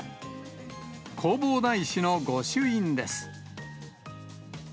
弘法大師の御朱印です。